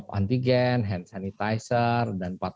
maka dari bnpb bersama satgas itu juga sudah mengirimkan tiga juta masker